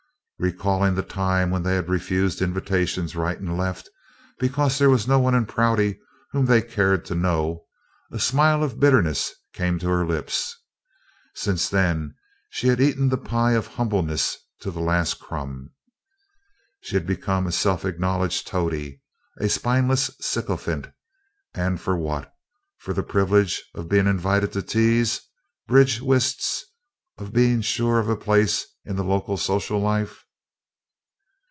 Recalling the time when they had refused invitations right and left because there was no one in Prouty whom they had cared to know, a smile of bitterness came to her lips. Since then, she had eaten the pie of humbleness to the last crumb. She had become a self acknowledged toady, a spineless sycophant, and for what? For the privilege of being invited to teas, bridge whists, of being sure of a place in the local social life.